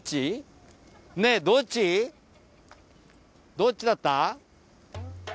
どっちだった！？